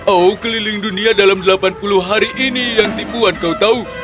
oh keliling dunia dalam delapan puluh hari ini yang tipuan kau tahu